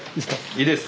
いいです。